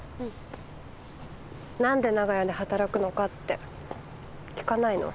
なんで長屋で働くのかって聞かないの？